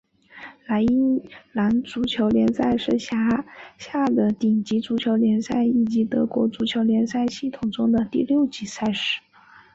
莱茵兰足球联赛是辖下的顶级足球联赛以及德国足球联赛系统中的第六级赛事。